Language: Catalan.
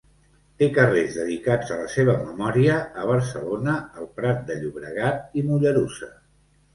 Té carrers dedicats a la seva memòria a Barcelona, El Prat de Llobregat i Mollerussa.